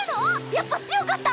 やっぱ強かった？